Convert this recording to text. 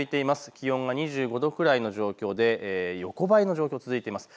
気温が２５度くらいの状況で横ばいの状況が続いています。